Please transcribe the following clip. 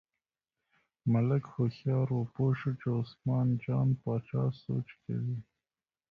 ملک هوښیار و، پوه شو چې عثمان جان باچا سوچ کوي.